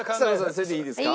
それでいいですか？